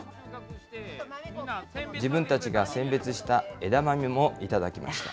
自分たちが選別した枝豆も頂きました。